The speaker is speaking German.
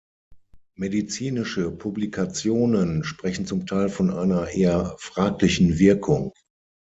Medizinische Publikationen sprechen zum Teil von einer eher fraglichen Wirkung.